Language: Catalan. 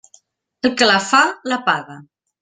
El que la fa, la paga.